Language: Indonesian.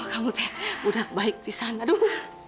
aduh kamu teh udah baik pisahan aduh